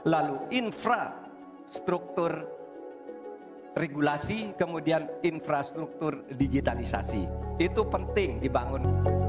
lalu infrastruktur regulasi kemudian infrastruktur digitalisasi itu penting dibangun